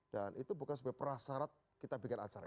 dan itu bukan sebagai perasarat kita bikin acara itu